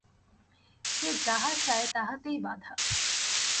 সে যাহা চায় তাহাতেই বাধা?